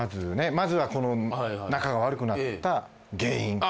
まずはこの仲が悪くなった原因あ